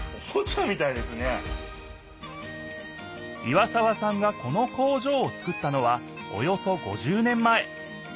岩沢さんがこの工場をつくったのはおよそ５０年前。